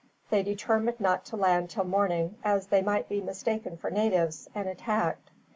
They determined not to land till morning, as they might be mistaken for natives, and attacked.